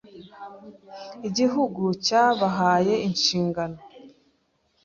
Igihugu cyabahaye inshingano